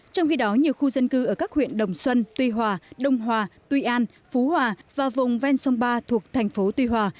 trong khi đó nhiều khu dân cư ở các huyện đồng xuân tuy hòa đông hòa tuy an phú hòa và vùng ven sông ba thuộc thành phố tuy hòa